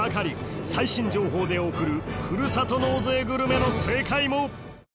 最新情報で送るふるさと納税グルメの正解も！